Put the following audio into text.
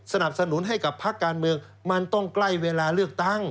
สนับสนุนให้กับพักการเมืองมันต้องใกล้เวลาเลือกตั้ง